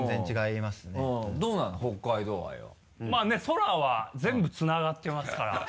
まぁね空は全部つながってますから。